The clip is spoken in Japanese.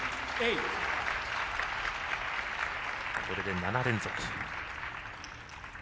これで７連続。